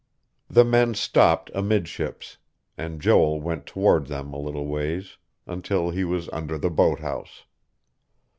The men stopped amidships; and Joel went toward them a little ways, until he was under the boat house.